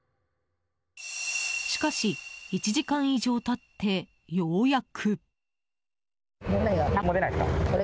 しかし１時間以上経ってようやく。